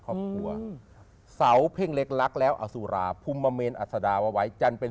ครอบครัวเสาเพ่งเล็กรักแล้วอสุราภูมิมะเมนอัศดาไว้จันทร์เป็น